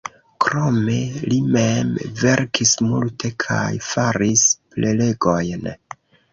Krome li mem verkis multe kaj faris prelegojn.